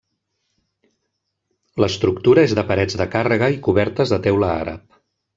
L'estructura és de parets de càrrega i cobertes de teula àrab.